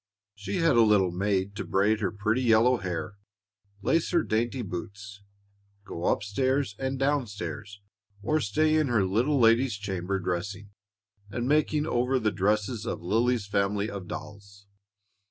She had a little maid to braid her pretty yellow hair, lace her dainty boots, go up stairs and down stairs, or stay in her little lady's chamber dressing and making over the dresses of Lily's family of dolls.